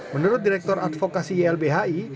menurut direktur advokasi ylbhi